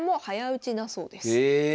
へえ。